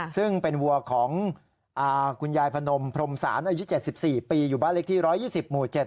ซึ่งเป็นวัวของคุณยายพนมพรมศาลอายุ๗๔ปีอยู่บ้านเล็กที่๑๒๐หมู่๗